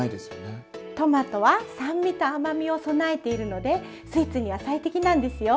トマトは酸味と甘みを備えているのでスイーツには最適なんですよ。